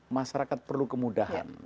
masyarakat perlu kemudahan